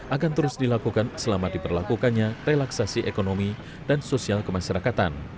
akan terus dilakukan selama diperlakukannya relaksasi ekonomi dan sosial kemasyarakatan